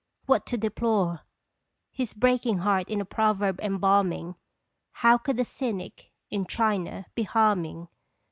What to deplore? His breaking heart in a proverb embalming, How could a cynic in China be harming?